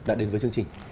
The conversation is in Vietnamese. đã đến với chương trình